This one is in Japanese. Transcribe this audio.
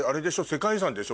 『世界遺産』でしょ？